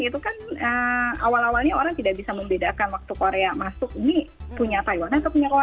itu kan awal awalnya orang tidak bisa membedakan waktu korea masuk ini punya taiwan